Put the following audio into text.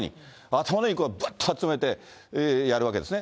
頭のいい子はばっと集めてやるわけですね。